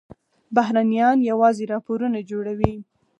بهرنیان یوازې راپورونه جوړوي.